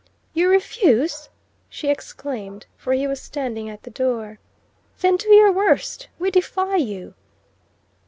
"You refuse?" she exclaimed, for he was standing at the door. "Then do your worst! We defy you!"